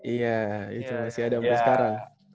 iya itu masih ada sampai sekarang